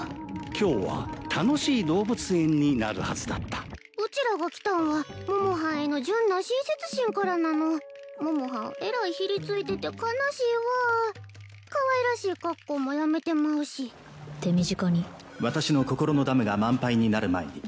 今日は楽しい動物園になるはずだったうちらが来たんは桃はんへの純な親切心からなの桃はんえらいヒリついてて悲しいわかわいらしい格好もやめてまうし手短に桃はん